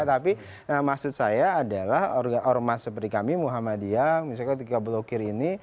tapi maksud saya adalah ormas seperti kami muhammadiyah misalnya ketika blokir ini